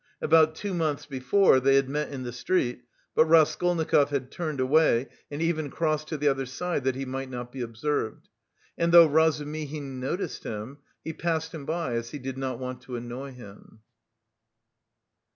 About two months before, they had met in the street, but Raskolnikov had turned away and even crossed to the other side that he might not be observed. And though Razumihin noticed him, he passed him by, as he did not want to annoy him.